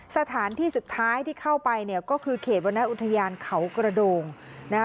สถานที่สุดท้ายที่เข้าไปเนี่ยก็คือเขตวรรณอุทยานเขากระโดงนะคะ